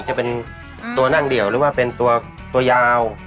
จะเป็นตัวนั่งเดี่ยวหรือว่าเป็นตัวยาว